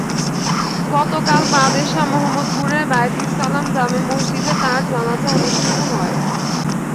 গতকাল বাদ এশা মোহাম্মদপুর বায়তুস সালাম জামে মসজিদে তাঁর জানাজা অনুষ্ঠিত হয়।